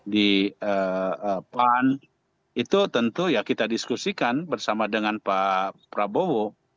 di pan itu tentu ya kita diskusikan bersama dengan pak prabowo